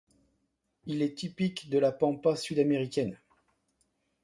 Il est typique de la pampa sud-américaine.